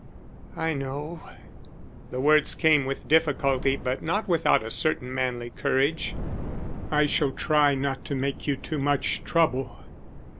"I know." The words came with difficulty but not without a certain manly courage. "I shall try not to make you too much trouble."